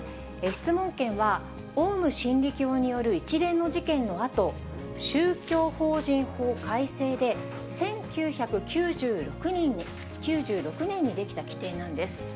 質問権は、オウム真理教による一連の事件のあと、宗教法人法改正で、１９９６年に出来た規定なんです。